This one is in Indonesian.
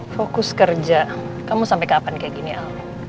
fokus kerja kamu sampai kapan kayak gini al